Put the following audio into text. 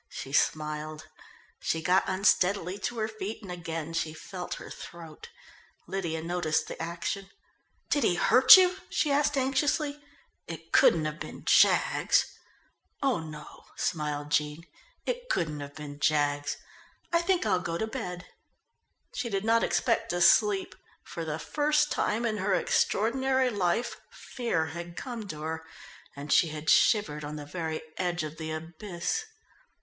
she smiled. She got unsteadily to her feet and again she felt her throat. Lydia noticed the action. "Did he hurt you?" she asked anxiously. "It couldn't have been Jaggs." "Oh no," smiled Jean, "it couldn't have been Jaggs. I think I'll go to bed." She did not expect to sleep. For the first time in her extraordinary life fear had come to her, and she had shivered on the very edge of the abyss.